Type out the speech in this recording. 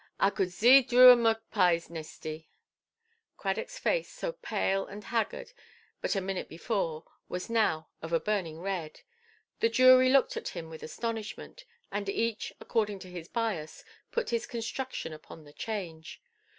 A cood zee droo a mokpieʼs neestie". Cradockʼs face, so pale and haggard but a minute before, was now of a burning red. The jury looked at him with astonishment, and each, according to his bias, put his construction upon the change.